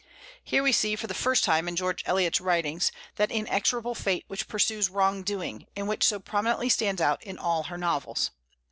Here we see, for the first time in George Eliot's writings, that inexorable fate which pursues wrong doing, and which so prominently stands out in all her novels.